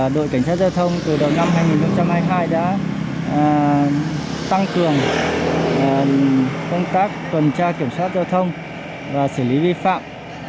đội cảnh sát giao thông từ đầu năm hai nghìn hai mươi hai đã tăng cường công tác tuần tra kiểm soát giao thông và xử lý vi phạm